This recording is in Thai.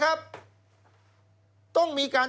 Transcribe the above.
เพราะฉะนั้นคุณมิ้นท์พูดเนี่ยตรงเป้งเลย